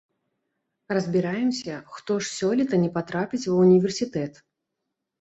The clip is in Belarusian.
Разбіраемся, хто ж сёлета не патрапіць ва ўніверсітэт.